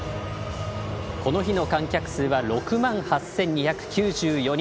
この日の観客数は６万８２９４人。